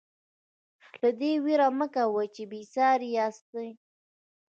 له دې وېرې مه کوئ چې بې ساري یاستئ.